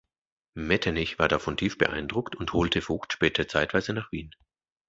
Metternich war davon tief beeindruckt und holte Vogt später zeitweise nach Wien.